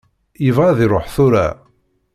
Yebɣa ad iruḥ tura.